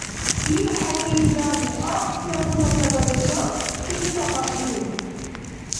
ИлхӀели илдани, — «Агь сегъуна жагадешал», — или тӀамадиру.